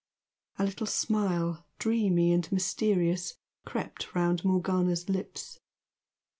A little smile, dreamy and mysterious, crept round Morgana's lips.